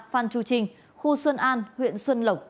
phan chu trinh khu xuân an huyện xuân lộc